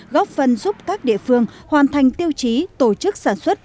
góp phần giúp các địa phương hoàn thành tiêu chí tổ chức sản xuất